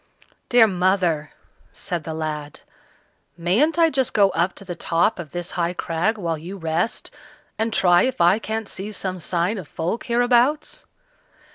"Dear mother," said the lad, "mayn't I just go up to the top of this high crag while you rest, and try if I can't see some sign of folk hereabouts?"